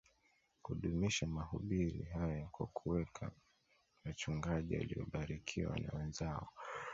kudumisha mahubiri hayo kwa kuweka wachungaji waliobarikiwa na wenzao